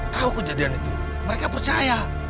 tahu kejadian itu mereka percaya